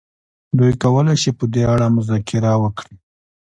دوی کولای شي په دې اړه مذاکره وکړي.